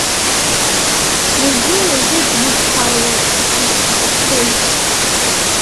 Уажәы-уажә дмақаруеит, лыҵҟьаԥоит.